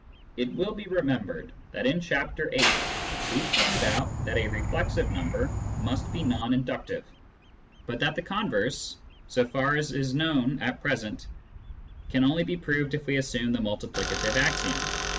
It will be remembered that in Chapter VIII. we pointed out that a reflexive number must be non inductive, but that the converse (so far as is known at present) can only be proved if we assume the multiplicative axiom.